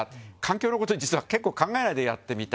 超了実は結構考えないでやってみた。